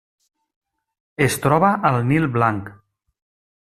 Es troba al Nil Blanc.